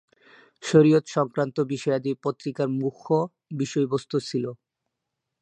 শরিয়ত সংক্রান্ত বিষয়াদি পত্রিকার মুখ্য বিষয়বস্তু ছিল।